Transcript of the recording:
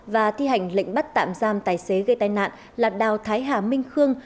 và thi hành lệnh bắt tạm giam tài xế gây tai nạn là đào thái hà minh khương